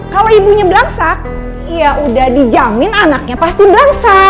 kalau ibunya belang sak ya udah dijamin anaknya pasti belang sak